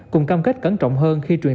cùng cam kết cẩn trọng hơn khi truyền